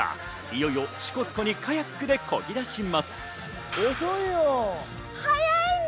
いよいよ支笏湖にカヤックで漕ぎ出します。